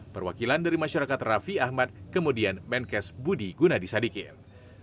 perwakilan dari masyarakat rafi ahmad kemudian menkes budi gunadi sadikin